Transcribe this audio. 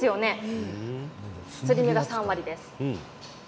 すり身が３割です。